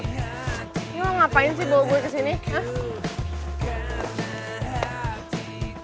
ini lo ngapain sih bawa gue ke sini ah